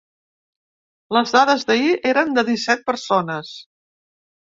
Les dades d’ahir eren de disset persones.